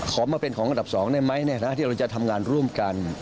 มาเป็นของอันดับ๒ได้ไหมที่เราจะทำงานร่วมกัน